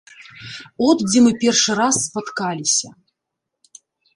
От дзе мы першы раз спаткаліся.